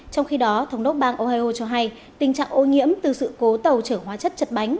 trong khi đó thống đốc bang ohio cho hay tình trạng ô nhiễm từ sự cố tàu chở hóa chất chật bánh